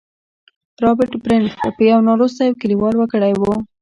رابرټ برنس يو نالوستی او کليوال وګړی و.